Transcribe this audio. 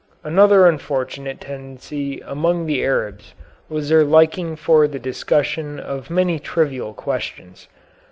Another unfortunate tendency among the Arabs was their liking for the discussion of many trivial questions.